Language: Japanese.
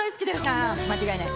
ああ間違いない。